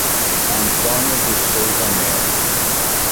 Antônio de Souza Melo